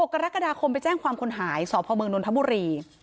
กรกฎาคมไปแจ้งความคนหายสพมนนทบุรี